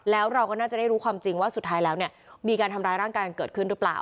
แล้วเราก็น่าจะได้รู้ความจริงว่าสุดท้ายแล้วเนี่ยมีการทำร้ายร่างกายกันเกิดขึ้นหรือเปล่า